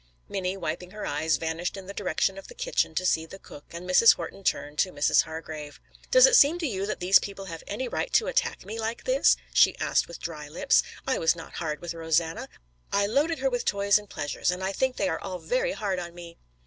Minnie, wiping her eyes, vanished in the direction of the kitchen to see the cook, and Mrs. Horton turned to Mrs. Hargrave. "Does it seem to you that these people have any right to attack me like this?" she asked with dry lips. "I was not hard with Rosanna. I loaded her with toys and pleasures, and I think they are all very hard on me."